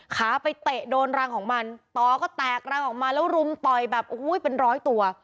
ขาไปเตะโดนรังของมันต่อก็แตกรังออกมาแล้วรุมต่อยแบบโอ้โหเป็นร้อยตัว